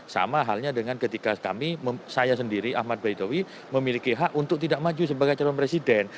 sama halnya dengan ketika kami saya sendiri ahmad baidowi memiliki hak untuk tidak maju sebagai calon presiden